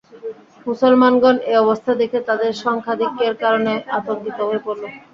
মুসলমানগণ এ অবস্থা দেখে তাদের সংখ্যাধিক্যের কারণে আতংকিত হয়ে পড়ল।